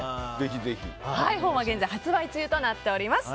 本は現在発売中となっています。